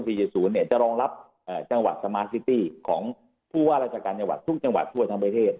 แล้วก็ลองรับจังหวัดสมาร์ตซิตี้ของผู้อาจารย์การศาลจังหวัดทั้งประเทศ